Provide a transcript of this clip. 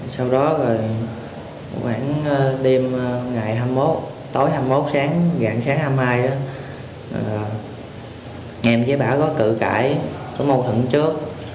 sau đó đêm ngày hai mươi một tối hai mươi một gạng sáng hai mươi hai em với bà phượng có cự cãi có mâu thuẫn trước